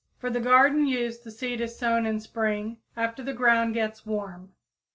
For garden use the seed is sown in spring after the ground gets warm.